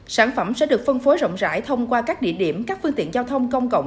sản phẩm sẽ được phân phối rộng rãi thông qua các địa điểm các phương tiện giao thông công cộng